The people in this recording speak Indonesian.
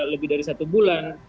lebih dari satu bulan